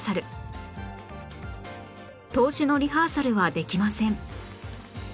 通しのリハーサルはできません